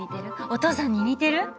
お父さんに似てる？